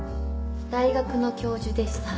大学の教授でした。